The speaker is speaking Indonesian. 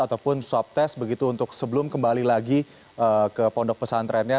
ataupun swab test begitu untuk sebelum kembali lagi ke pondok pesantrennya